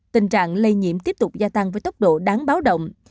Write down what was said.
tình trạng lây nhiễm tiếp tục gia tăng với tốc độ đáng báo động